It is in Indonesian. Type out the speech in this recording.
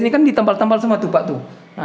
ini kan ditempel tempel semua tupak tuh